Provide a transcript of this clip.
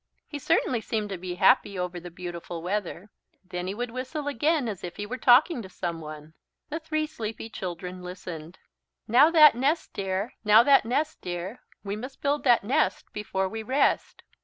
He certainly seemed to be happy over the beautiful weather. Then he would whistle again as if he were talking to someone. The three sleepy children listened. "Now that nest, dear, now that nest, dear. We must build that nest, before we rest."